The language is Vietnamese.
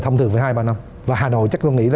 thông thường hai ba năm và hà nội chắc tôi nghĩ